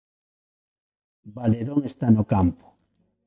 Valerón está no campo.